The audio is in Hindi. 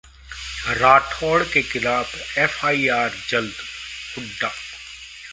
राठौर के खिलाफ एफआईआर जल्दः हुड्डा